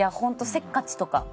せっかちとか。